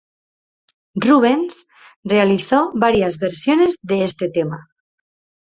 Rubens realizó varias versiones de este tema.